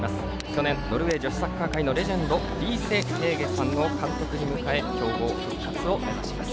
去年、ノルウェー女子サッカー界のレジェンドヘーゲ・リーセさんを監督に迎えています。